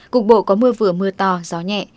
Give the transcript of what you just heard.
cục bộ có mưa vừa mưa to gió nhẹ